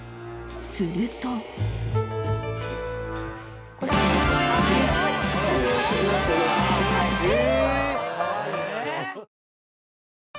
［すると］え！